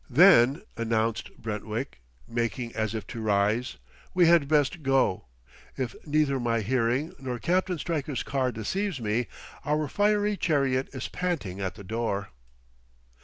"Then," announced Brentwick, making as if to rise, "we had best go. If neither my hearing nor Captain Stryker's car deceives me, our fiery chariot is panting at the door."